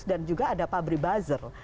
dan juga ada pabrik buzzer